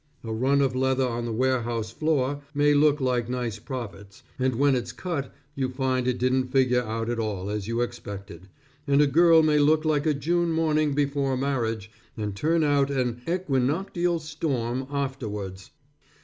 A run of leather on the warehouse floor, may look like nice profits, and when it's cut you find it didn't figure out at all as you expected; and a girl may look like a June morning before marriage, and turn out an equinoctial storm afterwards.